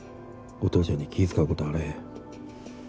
お父ちゃんに気ぃ遣うことあれへん。